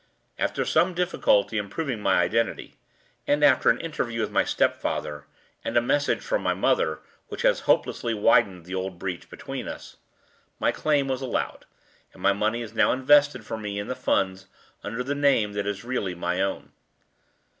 After some difficulty in proving my identity and after an interview with my stepfather, and a message from my mother, which has hopelessly widened the old breach between us my claim was allowed; and my money is now invested for me in the funds, under the name that is really my own."